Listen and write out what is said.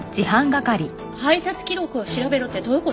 配達記録を調べろってどういう事？